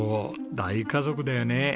大家族だよね。